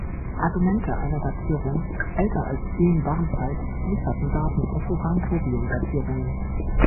Argumente einer Datierung älter als Eem-Warmzeit lieferten Daten aus Uran-Thorium-Datierungen.